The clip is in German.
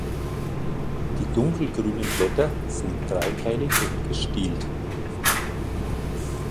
Die dunkelgrünen Blätter sind dreiteilig und gestielt.